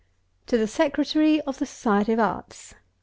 TO THE SECRETARY OF THE SOCIETY OF ARTS.